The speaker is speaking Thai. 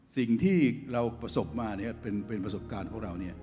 สิ่งที่เราประสบมาเป็นประสบการณ์ของเรา